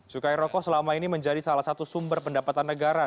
cukai rokok selama ini menjadi salah satu sumber pendapatan negara